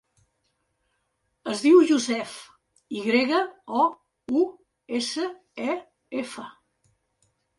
Es diu Yousef: i grega, o, u, essa, e, efa.